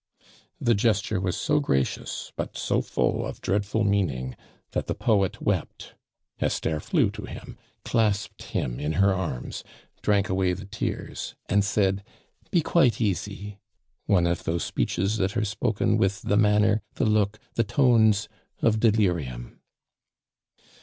The gesture was so gracious, but so full of dreadful meaning, that the poet wept; Esther flew to him, clasped him in her arms, drank away the tears, and said, "Be quite easy!" one of those speeches that are spoken with the manner, the look, the tones of delirium.